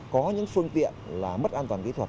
có những phương tiện là mất an toàn kỹ thuật